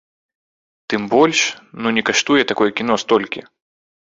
Тым больш, ну не каштуе такое кіно столькі.